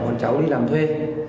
con cháu đi làm thuê